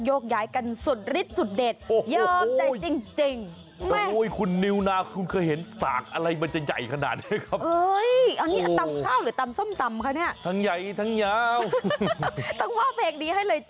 โอ้โหทางงัด